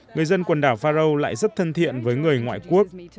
người dân quần đảo faro lại rất thân thiện với người ngoại quốc